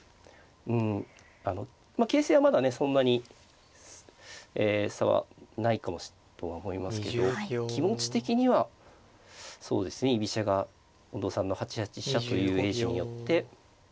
うんあの形勢はまだねそんなに差はないかもとは思いますけど気持ち的にはそうですね居飛車が近藤さんの８八飛車という鋭手によって。